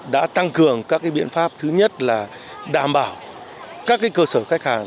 đã tăng cường các biện pháp thứ nhất là đảm bảo các cơ sở khách hàng